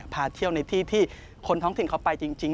พาเที่ยวในที่ที่คนท้องถิ่นเขาไปจริง